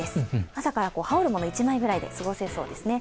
朝から羽織るもの１枚ぐらいで過ごせそうですね。